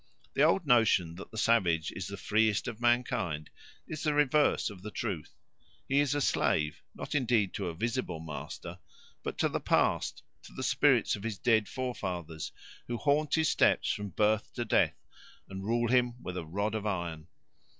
The old notion that the savage is the freest of mankind is the reverse of the truth. He is a slave, not indeed to a visible master, but to the past, to the spirits of his dead forefathers, who haunt his steps from birth to death, and rule him with a rod of iron.